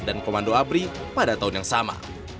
dan komando abri pada tahun yang sama